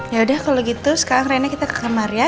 ya udah kalau gitu sekarang rennya kita ke kamar ya